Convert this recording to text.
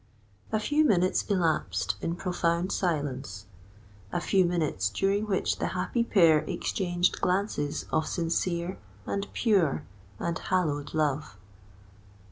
A few minutes elapsed in profound silence,—a few minutes, during which the happy pair exchanged glances of sincere, and pure, and hallowed love.